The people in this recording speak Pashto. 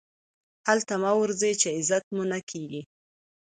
هلته مه ورځئ، چي عزت مو نه کېږي.